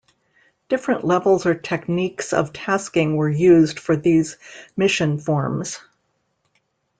Different levels or techniques of tasking were used for these mission forms.